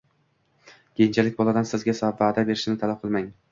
Keyinchalik boladan sizga vaʼda berishini talab qilmang!